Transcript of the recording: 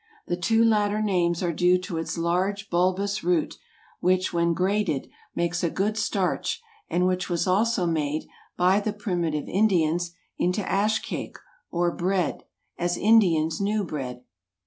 The two latter names are due to its large, bulbous root, which, when grated, makes a good starch, and which was also made, by the primitive Indians, into ash cake, or bread—as Indians knew bread.